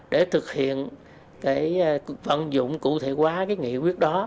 để thực hiện cái vận dụng cụ thể quá cái nghị quyết đó